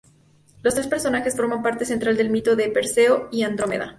Los tres personajes forman parte central del mito de Perseo y Andrómeda.